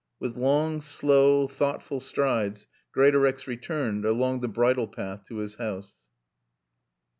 With long, slow, thoughtful strides Greatorex returned along the bridle path to his house.